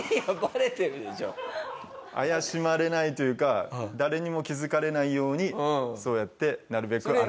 怪しまれないというか誰にも気づかれないようにそうやってなるべく歩くように。